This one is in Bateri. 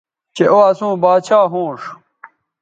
چہء او اسوں باچھا ھونݜ